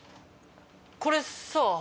これさ。